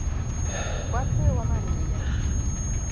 Wadhi wamany yien